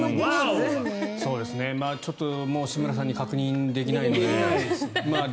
ちょっと志村さんに確認できないですが。